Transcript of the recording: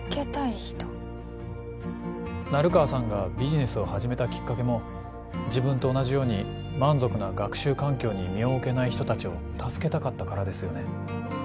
成川さんがビジネスを始めたきっかけも自分と同じように満足な学習環境に身を置けない人達を助けたかったからですよね？